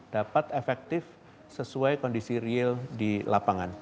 dapat efektif sesuai kondisi real di lapangan